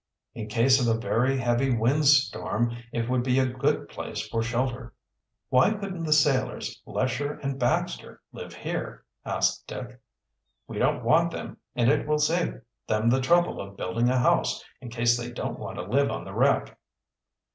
"In case of a very heavy wind storm it would be a good place for shelter." "Why couldn't the sailors, Lesher, and Baxter live here?" asked Dick. "We don't want them, and it will save them the trouble of building a house, in case they don't want to live on the wreck."